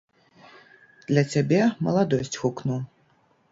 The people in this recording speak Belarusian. Для цябе маладосць гукну.